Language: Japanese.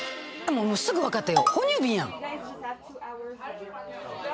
もうすぐ分かったよ。